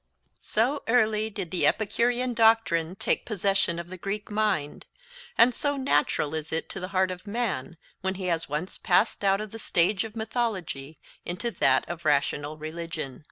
So early did the Epicurean doctrine take possession of the Greek mind, and so natural is it to the heart of man, when he has once passed out of the stage of mythology into that of rational religion.